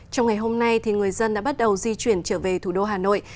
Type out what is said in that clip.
trong ngày hôm nay người dân đã bắt đầu di chuyển trở về thủ đô hà nội